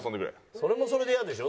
それもそれでイヤでしょ？